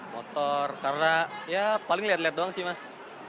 motor karena ya paling liat liat doang sih mas